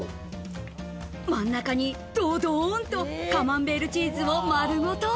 真ん中にどどーんとカマンベールチーズを丸ごと。